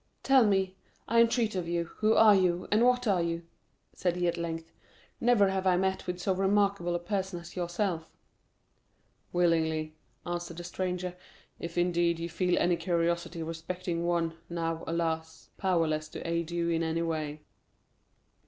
"Tell me, I entreat of you, who and what you are?" said he at length. "Never have I met with so remarkable a person as yourself." "Willingly," answered the stranger; "if, indeed, you feel any curiosity respecting one, now, alas, powerless to aid you in any way."